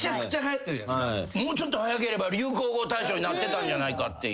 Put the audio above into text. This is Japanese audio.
もうちょっと早ければ流行語大賞になってたんじゃないかっていう。